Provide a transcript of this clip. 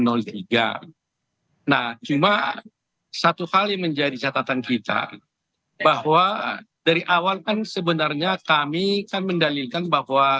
nah cuma satu hal yang menjadi catatan kita bahwa dari awal kan sebenarnya kami kan mendalilkan bahwa